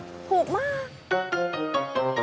ถูกมาก